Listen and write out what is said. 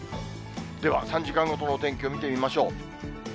では、３時間ごとのお天気を見てみましょう。